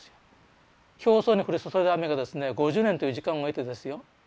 表層に降り注いだ雨がですね５０年という時間を経てですよ